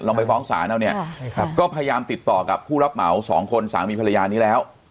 ไปฟ้องศาลแล้วเนี่ยก็พยายามติดต่อกับผู้รับเหมาสองคนสามีภรรยานี้แล้ว